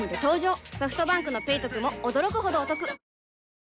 ソフトバンクの「ペイトク」も驚くほどおトク